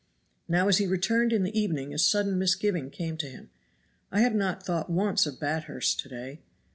Now as he returned in the evening a sudden misgiving came to him. "I have not thought once of Bathurst to day.